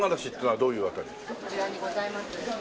こちらにございます。